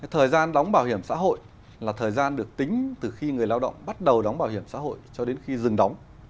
thời gian đóng bảo hiểm xã hội là thời gian được tính từ khi người lao động bắt đầu đóng bảo hiểm xã hội cho đến khi dừng đóng